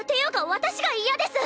私が嫌です！